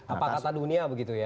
apa kata dunia begitu ya